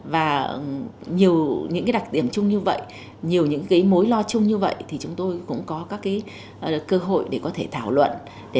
và nhiều những cái đặc điểm chung như vậy nhiều những cái mối lo chung như vậy thì chúng tôi cũng có các cái cơ hội để có thể thảo luận để có thể trao đổi và chia sẻ với nhau